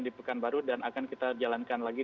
di pekanbaru dan akan kita jalankan lagi